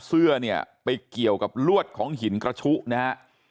เสื้อเนี่ยไปเกี่ยวกับลวดของหินกระชุนะฮะ